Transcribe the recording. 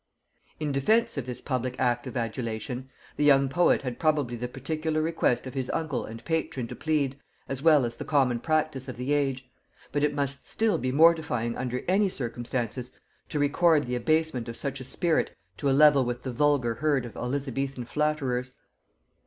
In defence of this public act of adulation, the young poet had probably the particular request of his uncle and patron to plead, as well as the common practice of the age; but it must still be mortifying under any circumstances, to record the abasement of such a spirit to a level with the vulgar herd of Elizabethan flatterers.